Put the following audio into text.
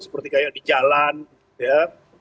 seperti kayak di jalan ya